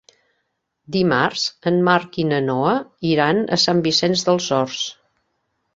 Dimarts en Marc i na Noa iran a Sant Vicenç dels Horts.